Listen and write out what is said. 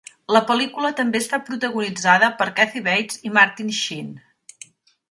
La pel·lícula també està protagonitzada per Kathy Bates i Martin Sheen.